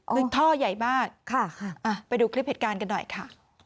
ซึ่งท่อใหญ่มากไปดูคลิปเหตุการณ์กันหน่อยค่ะ